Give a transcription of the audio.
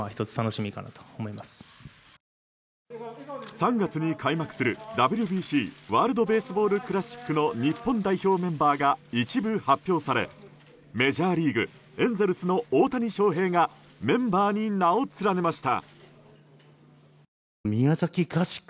３月に開幕するＷＢＣ・ワールド・ベースボール・クラシックの日本代表メンバーが一部発表されメジャーリーグ、エンゼルスの大谷翔平がメンバーに名を連ねました。